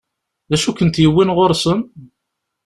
D acu i kent-yewwin ɣur-sen?